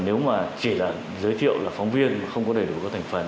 nếu mà chỉ là giới thiệu là phóng viên mà không có đầy đủ các thành phần